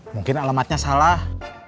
mungkin alamatnya salah